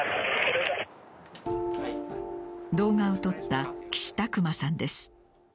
動画を撮った、岸拓馬さんです。